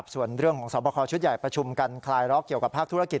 ส่วนเรื่องของสอบคอชุดใหญ่ประชุมกันคลายล็อกเกี่ยวกับภาคธุรกิจ